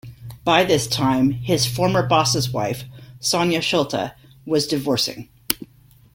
By this time, his former boss's wife, Sonia Schulte, was divorcing.